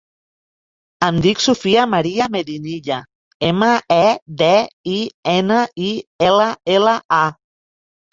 Em dic Sofia maria Medinilla: ema, e, de, i, ena, i, ela, ela, a.